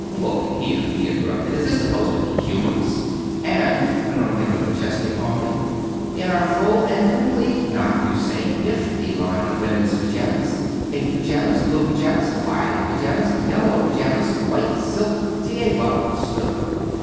"Look here!" he interrupted. "Is this supposed to be humorous?" "And," went on Emma McChesney, calmly, "in our full and complete, not to say nifty line of women's pajamas pink pajamas, blue pajamas, violet pajamas, yellow pajamas, white silk " T. A. Buck stood up.